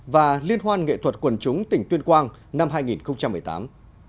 và liên hoan nghệ thuật quần chúng tỉnh tuyên quang năm hai nghìn một mươi tám